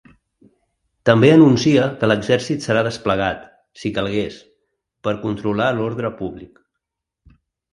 També anuncia que l’exèrcit serà desplegat, si calgués, per controlar l’ordre públic.